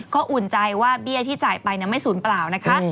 ก็อุ่นใจว่าเบี้ยที่จ่ายไปไม่ศูนย์เปล่านะคะ